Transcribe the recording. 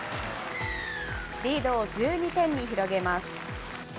リードを１２点に広げます。